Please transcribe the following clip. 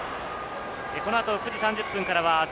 このあと９時３０分からは『ザ！